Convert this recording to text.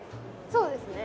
そうですね。